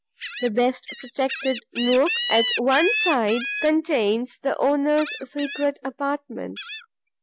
The best protected nook at one side contains the owner's secret apartment.